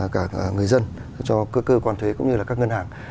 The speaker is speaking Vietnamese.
cả người dân cho các cơ quan thuế cũng như là các ngân hàng